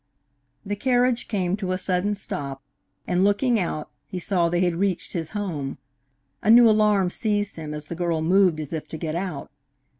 The carriage came to a sudden stop, and, looking out, he saw they had reached his home. A new alarm seized him as the girl moved as if to get out.